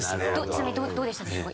ちなみにどうでしたでしょうか？